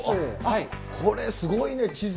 これすごいね、地図。